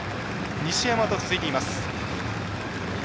西山と続いています。